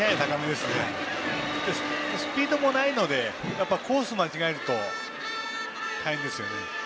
スピードもないのでコースを間違えると大変ですね。